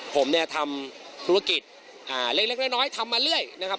ผมเนี่ยทำธุรกิจเล็กน้อยทำมาเรื่อยนะครับ